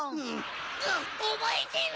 おぼえてろ！